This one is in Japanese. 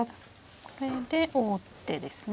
これで王手ですね。